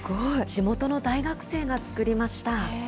地元の大学生が作りました。